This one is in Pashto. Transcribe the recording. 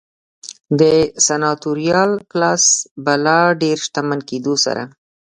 د سناتوریال کلاس په لا ډېر شتمن کېدو سره.